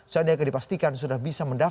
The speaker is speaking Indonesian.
sandiaga dipastikan sudah bisa mendaftar